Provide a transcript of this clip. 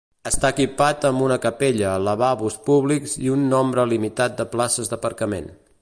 Està equipat amb una capella, lavabos públics i un nombre limitat de places d'aparcament.